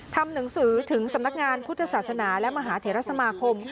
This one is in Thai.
ทำหนังสือถึงสำนักงานพุทธศาสนาและมหาเทรสมาคม